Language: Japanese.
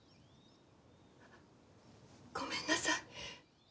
ごめんなさい。